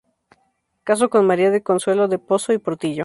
Casó con María del Consuelo del Pozo y Portillo.